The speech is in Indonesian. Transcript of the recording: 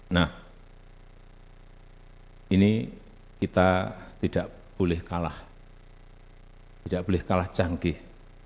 nah ini kita tidak boleh kalah tidak boleh kalah canggih